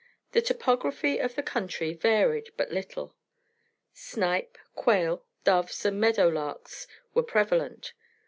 The topography of the country varied but little. Snipe, quail, doves and meadow larks were prevalent.